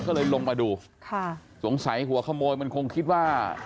ก็เลยลงมาดูค่ะสงสัยหัวขโมยมันคงคิดว่า